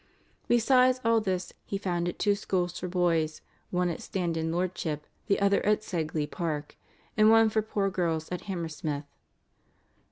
Besides all this he founded two schools for boys, one at Standon Lordship, the other at Sedgley Park, and one for poor girls at Hammersmith.